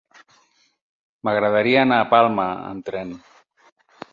M'agradaria anar a Palma amb tren.